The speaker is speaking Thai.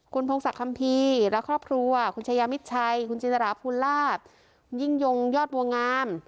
คุณพงศักดิคัมภีร์และครอบครัวคุณชายามิดชัยคุณจินตราภูลาภคุณยิ่งยงยอดบัวงาม